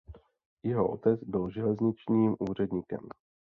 Jeho otec byl železničním úředníkem.